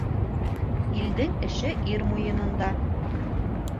Илдең эше ир муйынында